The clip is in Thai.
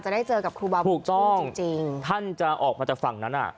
จะได้เจอกับครูบ่าบุญชุมจริงจริงถ้านจะออกมาจากฝั่งนั้นอ่ะ